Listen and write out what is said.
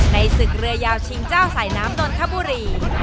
ศึกเรือยาวชิงเจ้าสายน้ำนนทบุรี